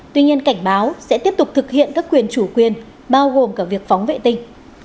tuy nhiên cảnh báo sẽ tiếp tục thực hiện các quyền chủ quyền bao gồm cả việc phóng vệ tinh